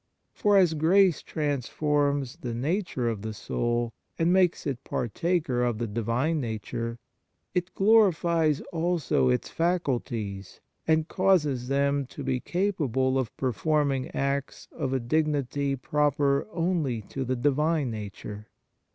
For as grace transforms the nature of the soul, and makes it partaker of the Divine Nature, it glorifies also its faculties, and causes them to be capable of performing acts of a dignity proper only to the Divine Nature.